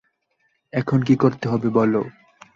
এখন কী করতে হবে বলো।